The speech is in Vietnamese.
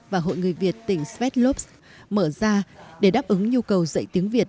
và hội người việt tỉnh svetlovsk mở ra để đáp ứng nhu cầu dạy tiếng việt